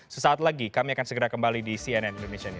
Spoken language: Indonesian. sesaat lagi kami akan segera kembali di cnn indonesia newsro